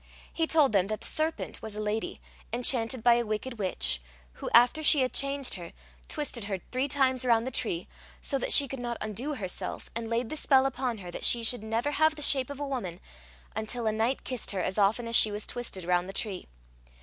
He told them that the serpent was a lady, enchanted by a wicked witch, who, after she had changed her, twisted her three times round the tree, so that she could not undo herself, and laid the spell upon her that she should never have the shape of a woman, until a knight kissed her as often as she was twisted round the tree.